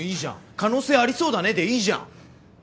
可能性ありそうだねでいいじゃん！